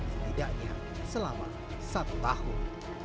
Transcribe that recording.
setidaknya selama satu tahun